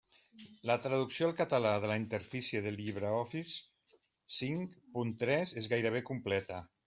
La traducció al català de la interfície del LibreOffice cinc punt tres és gairebé completa.